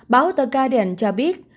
báo the guardian cho biết